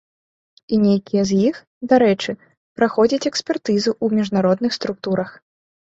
І нейкія з іх, дарэчы, праходзяць экспертызу ў міжнародных структурах.